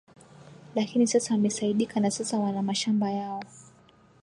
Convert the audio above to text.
Lakini sasa wamesaidika na sasa wana mashamba yao